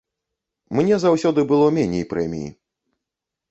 Мне заўсёды было меней прэміі.